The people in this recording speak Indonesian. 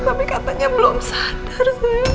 tapi katanya belum sadar